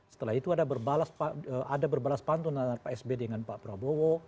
setelah itu ada berbalas pantun antara pak sby dengan pak prabowo